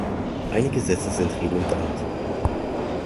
Einige Sätze sind redundant.